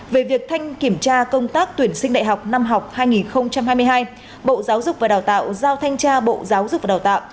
về việc thanh kiểm tra công tác tuyển sinh đại học năm học hai nghìn hai mươi hai bộ giáo dục và đào tạo giao thanh tra bộ giáo dục và đào tạo